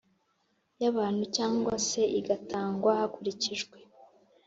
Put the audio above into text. Y abantu cyangwa se igatangwa hakurikijwe